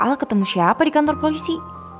ala ketemu siapa di kantor polisi